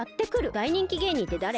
大人気芸人ってだれ？